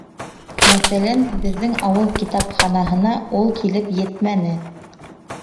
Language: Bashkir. Мәҫәлән, беҙҙең ауыл китапханаһына ул килеп етмәне.